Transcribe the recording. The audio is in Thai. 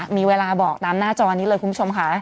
มีเวลาบอกตามหน้าจอนี้เลยคุณผู้ชมค่ะ